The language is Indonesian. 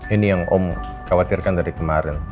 ini yang om khawatirkan dari kemarin